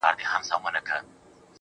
اې د قوتي زلفو مېرمني در نه ځمه سهار,